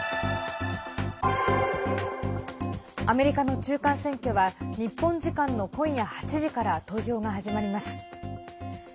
アメリカの中間選挙は日本時間の今夜８時から投票が始まります。